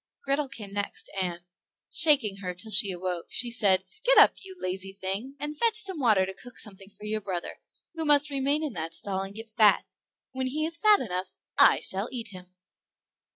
Grethel came next, and, shaking her till she awoke, she said, "Get up, you lazy thing, and fetch some water to cook something good for your brother, who must remain in that stall and get fat; when he is fat enough I shall, eat him."